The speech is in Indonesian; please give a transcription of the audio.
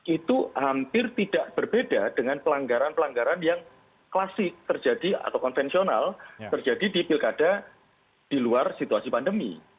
itu hampir tidak berbeda dengan pelanggaran pelanggaran yang klasik terjadi atau konvensional terjadi di pilkada di luar situasi pandemi